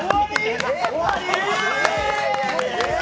終わり？